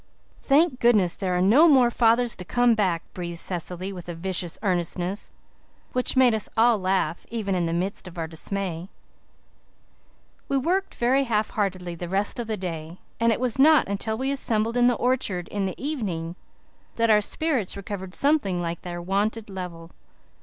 "Thank goodness there are no more fathers to come back," breathed Cecily with a vicious earnestness that made us all laugh, even in the midst of our dismay. We worked very half heartedly the rest of the day, and it was not until we assembled in the orchard in the evening that our spirits recovered something like their wonted level.